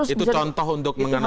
itu contoh untuk mengenaluskan